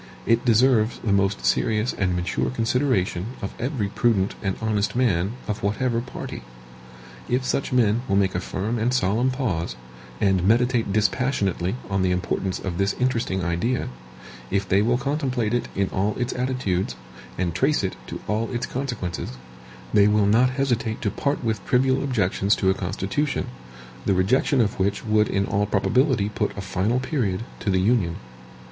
It deserves the most serious and mature consideration of every prudent and honest man of whatever party. If such men will make a firm and solemn pause, and meditate dispassionately on the importance of this interesting idea; if they will contemplate it in all its attitudes, and trace it to all its consequences, they will not hesitate to part with trivial objections to a Constitution, the rejection of which would in all probability put a final period to the Union.